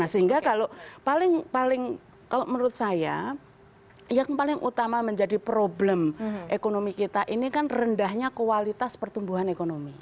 sehingga kalau paling kalau menurut saya yang paling utama menjadi problem ekonomi kita ini kan rendahnya kualitas pertumbuhan ekonomi